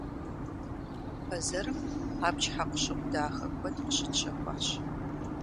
Бэзэрым абдж хьэкъущыкъу дахэ куэд къыщытщэхуащ.